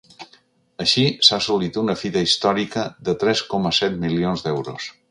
Així, s’ha assolit una ‘fita històrica’ de tres coma set milions d’euros.